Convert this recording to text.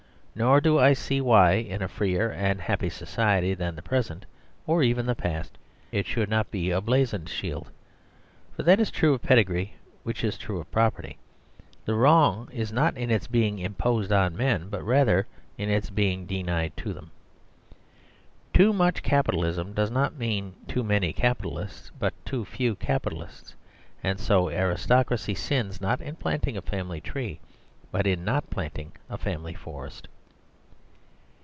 Nor do I see why, in a freer and happier so ciety than the present, or even the past, it should not be a blazoned shield. For that is true of pedigree which is true of property; the wrong is not in its being imposed on men, but rather in its being denied to them. Too much capitalism does not mean too many capitalists, but too few capitalists; and so aristocracy sins, not in planting a family tree, but in not planting a family forest.